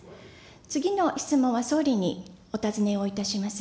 次の質問は総理にお尋ねをいたします。